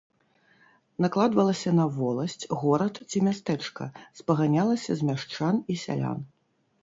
Накладвалася на воласць, горад ці мястэчка, спаганялася з мяшчан і сялян.